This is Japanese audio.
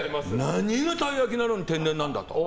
何がたい焼きなのに天然なんだと。